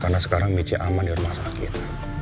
karena sekarang mieci aman di rumah sakit